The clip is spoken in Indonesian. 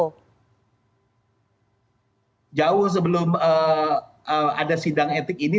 jadi jauh sebelum ada sindang etik ini